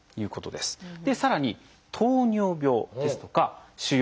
さらに糖尿病ですとか腫瘍。